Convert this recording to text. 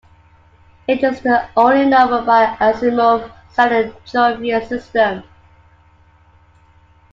It is the only novel by Asimov set in the Jovian system.